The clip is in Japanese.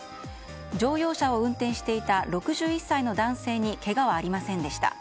乗用車を運転していた６１歳の男性にけがはありませんでした。